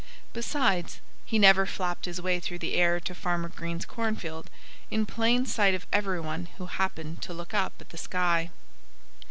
Besides, he never flapped his way through the air to Farmer Green's cornfield, in plain sight of everyone who happened to look up at the sky.